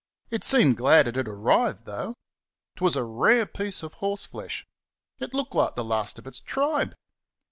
It seemed glad it had arrived, though. 'Twas a rare piece of horseflesh: it looked like the last of its tribe.